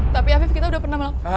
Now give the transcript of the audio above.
tapi afif kita udah pernah melakukan